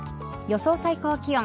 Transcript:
予想最高気温。